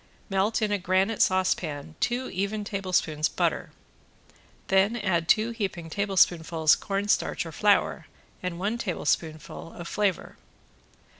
Melt in a granite saucepan two even tablespoons butter, then add two heaping tablespoonfuls cornstarch or flour, and one tablespoon of flavor.